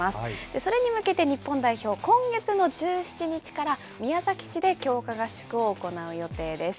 それに向けて、日本代表、今月の１７日から、宮崎市で強化合宿を行う予定です。